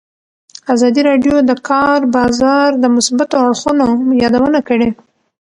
ازادي راډیو د د کار بازار د مثبتو اړخونو یادونه کړې.